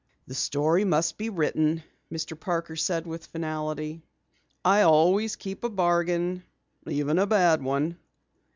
"The story must be written," Mr. Parker said with finality. "I always keep a bargain, even a bad one."